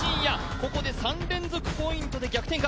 ここで３連続ポイントで逆転か？